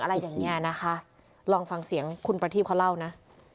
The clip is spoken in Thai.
อะไรอย่างนี้นะคะลองฟังเสียงคุณประทีพเขาเล่านะ